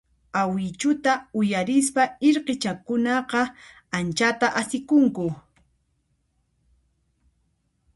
Awichuta uyarispa irqichakunaqa anchata asikunku.